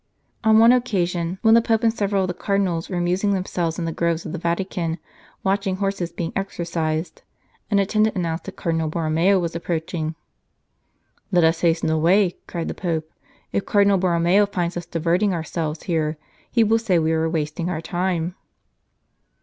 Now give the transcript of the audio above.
On one occasion, when the Pope 207 St. Charles Borromeo and several of the Cardinals were amusing them selves in the groves of the Vatican, watching horses being exercised, an attendant announced that Cardinal Borromeo was approaching. " Let us hasten away," cried the Pope. " If Cardinal Borromeo finds us diverting ourselves here, he will say we are wasting our time."